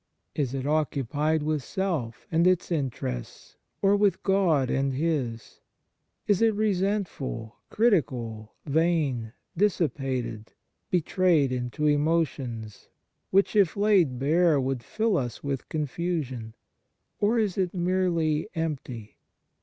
Is it occupied with self and its interests, or with God and His ? Is it resentful, critical, vain, dissipated, be trayed into emotions which if laid bare would fill us with confusion ? or is it merely empty?